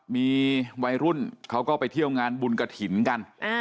มีวัยรุ่นเขาก็ไปเที่ยวงานบุญกระถิ่นกัน